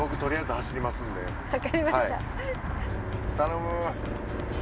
頼む。